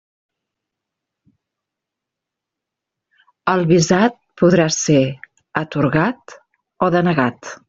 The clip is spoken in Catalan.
El visat podrà ser atorgat o denegat.